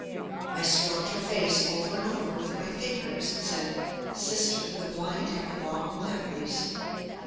I stroked her face over and over with my fingers, and said: "Sister, the blind have long memories."